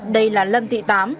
đây là lâm thị tám